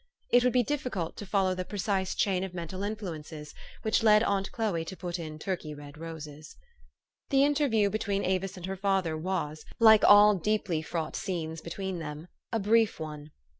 It would be difficult to follow the precise chain of mental influences which led aunt Chloe to put in Turkey red toes. The interview between Avis and her father was, like ah 1 deeply fraught scenes between them, a brief one.